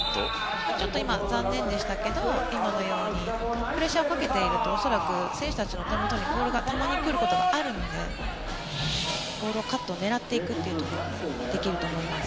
今、残念でしたけど今のようにプレッシャーをかけていると選手たちの手元にボールがたまに来ることがあるのでボールカットを狙っていくことができると思います。